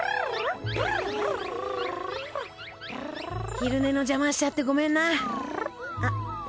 昼寝の邪魔しちゃってごめんな。